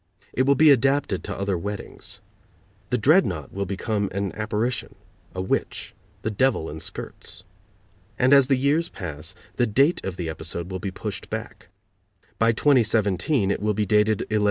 It will be adapted to other weddings. The dreadnaught will become an apparition, a witch, the Devil in skirts. And as the years pass, the date of the episode will be pushed back. By 2017 it will be dated 1150.